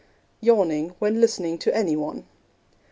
Yawning when listening to any one.